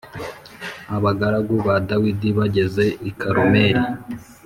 Abagaragu ba Dawidi bageza i Karumeli